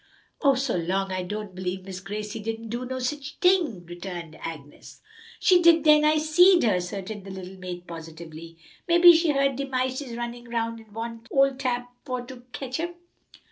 "Oh, go 'long! I don' b'lieve Miss Gracie didn't do no sich ting!" returned Agnes. "She did den, I seed her," asserted the little maid positively. "Mebbe she heerd de mices runnin' 'round an want ole Tab for to ketch 'em."